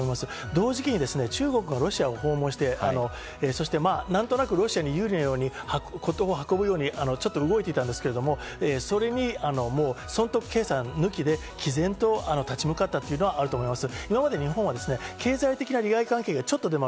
同時期に中国はロシアを訪問して、何となくロシアに有利なように、事を運ぶように動いていたんですけど、それに損得計算抜きで毅然と立ち向かったというのはあると思います。